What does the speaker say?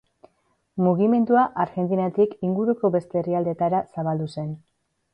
Mugimendua Argentinatik inguruko beste herrialdetara zabaldu zen.